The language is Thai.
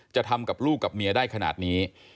จะทำกับลูกกับเมียได้ขนาดนี้